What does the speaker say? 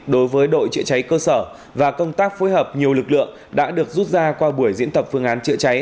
đối với đội chữa cháy cơ sở và công tác phối hợp nhiều lực lượng đã được rút ra qua buổi diễn tập phương án chữa cháy